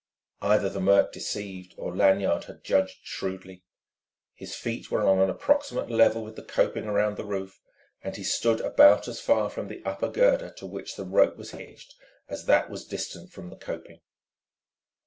Either the murk deceived or Lanyard had judged shrewdly. His feet were on an approximate level with the coping round the roof, and he stood about as far from the upper girder to which the rope was hitched as that was distant from the coping.